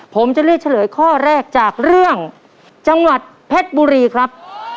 ผมจะเลือกเฉลยข้อแรกจากเรื่องจังหวัดเพชรบุรีครับ